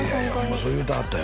そう言うてはったよ